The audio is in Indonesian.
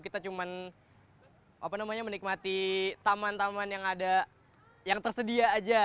kita cuma menikmati taman taman yang ada yang tersedia aja